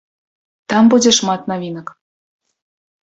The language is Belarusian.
Там будзе шмат навінак.